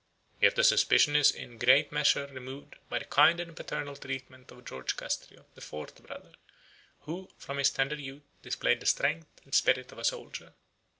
Yet the suspicion is in a great measure removed by the kind and paternal treatment of George Castriot, the fourth brother, who, from his tender youth, displayed the strength and spirit of a soldier.